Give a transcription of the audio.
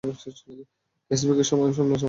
ক্যাসেভেক এর সময় আমি সামনের চপারেই থাকব।